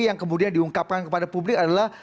yang kemudian diungkapkan kepada publik adalah